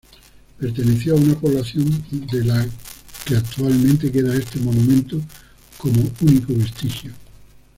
Perteneció a una población de la que actualmente queda este monumento como único vestigio.